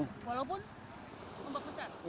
walaupun ombak besar